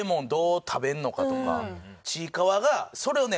ちいかわがそれをね